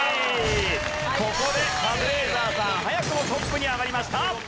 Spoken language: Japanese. ここでカズレーザーさん早くもトップに上がりました。